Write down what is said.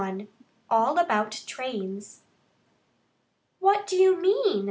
XXI ALL ABOUT TRAINS "What do you mean?"